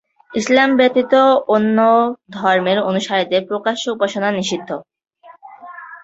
ইসলাম ব্যতীত অন্য ধর্মের অনুসারীদের প্রকাশ্য উপাসনা নিষিদ্ধ।